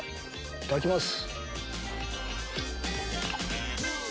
いただきます。